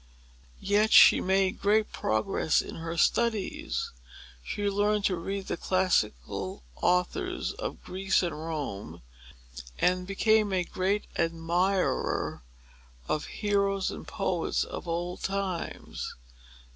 Yet she made great progress in her studies. She learned to read the classical authors of Greece and Rome, and became a great admirer of the heroes and poets of old times.